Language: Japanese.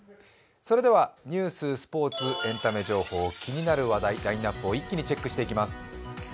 それではニュース、スポーツ、エンタメ情報、気になる話題、ラインナップを一気にチェックしていきます。